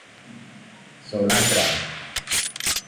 โซลาร์ตรอน